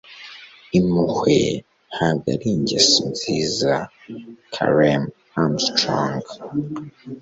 impuhwe ntabwo ari ingeso nziza. - karen armstrong